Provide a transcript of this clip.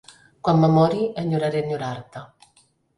"Quan me mori enyoraré enyorar-te"